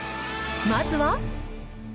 まずは。